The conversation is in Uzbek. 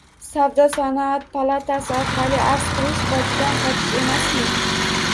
Savdo-sanoat palatasi orqali arz qilish bojdan qochish emasmi?